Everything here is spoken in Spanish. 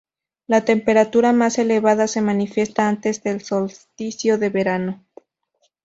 La temperatura más elevada se manifiesta antes del solsticio de verano.